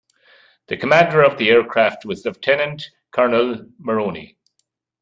The commander of the aircraft was Lieutenant Colonel Meroni.